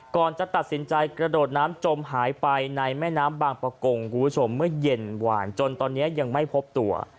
ก่อนจะตัดสินใจกระโดดน้ำจมหายไปในแม่น้ำบางประกงคุณผู้ชมเมื่อเย็นหวานจนตอนนี้ยังไม่พบตัว